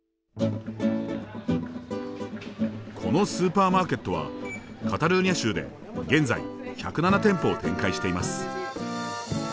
このスーパーマーケットはカタルーニャ州で現在１０７店舗を展開しています。